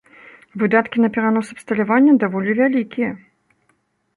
Выдаткі на перанос абсталявання даволі вялікія.